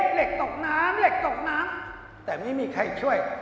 เหล็กตกน้ำเหล็กตกน้ำแต่ไม่มีใครช่วย